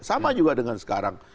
sama juga dengan sekarang